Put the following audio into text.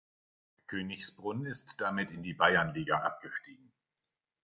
Königsbrunn ist damit in die Bayernliga abgestiegen.